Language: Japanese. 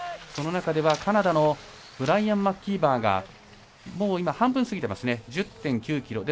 その中ではカナダのブライアン・マキーバーが半分過ぎてますね。